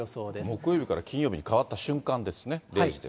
木曜日から金曜日に変わった瞬間ですね。